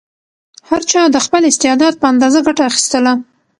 هر چا د خپل استعداد په اندازه ګټه اخیستله.